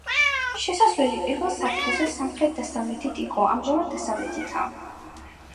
შესასვლელი პირველ სართულზე, სამხრეთ-დასავლეთით იყო, ამჟამად დასავლეთითაა.